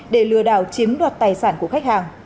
để lừa đảo chiếm đoạt tài sản của khách hàng